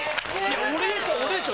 俺でしょ！